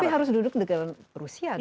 tapi harus duduk dengan rusia dong